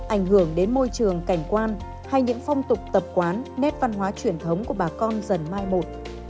ảnh hưởng đến môi trường cảnh quan hay những phong tục tập quán nét văn hóa truyền thống của bà con dần mai một